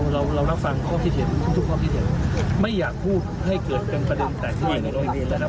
เราเรารับฟังข้อคิดเห็นทุกข้อคิดเห็นไม่อยากพูดให้เกิดเป็นประเด็นแต่ที่ในโรงเรียนแล้วนะ